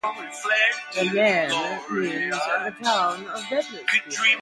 The name means "the town of Bedla's people".